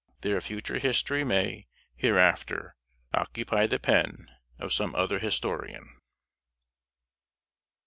Their future history may, hereafter, occupy the pen of some other historian.